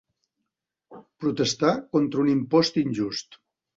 Protestar contra un impost injust.